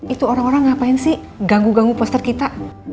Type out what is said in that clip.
itu orang orang ngapain sih ganggu ganggu poster kita